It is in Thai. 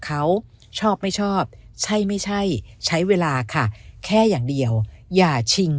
เขาชอบไม่ชอบใช่ไม่ใช่ใช้เวลาค่ะแค่อย่างเดียวอย่าชิง